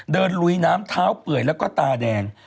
ลุยน้ำเท้าเปื่อยแล้วก็ตาแดง